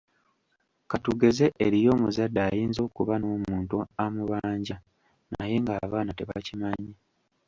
Ka tugeze eriyo omuzadde ayinza okuba n'omuntu amubanja naye nga abaana tebakimanyi.